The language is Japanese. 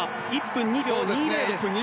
１分２秒２０です。